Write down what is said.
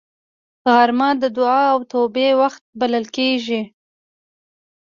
غرمه د دعا او توبې وخت بلل کېږي